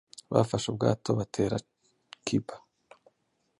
bafashe ubwato batera cuba,